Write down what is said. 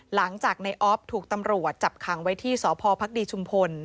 หลังจากในออฟถูกตำรวจจับขังไว้ที่สพพช